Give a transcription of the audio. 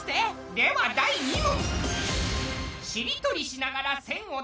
では第２問！